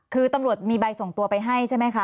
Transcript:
คือตำรวจมีใบส่งตัวไปให้ใช่ไหมคะ